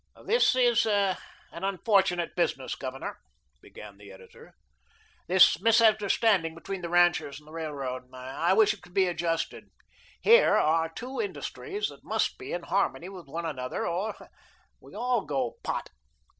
"This is an unfortunate business, Governor," began the editor, "this misunderstanding between the ranchers and the Railroad. I wish it could be adjusted. HERE are two industries that MUST be in harmony with one another, or we all go to pot."